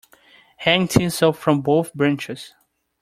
Hang tinsel from both branches.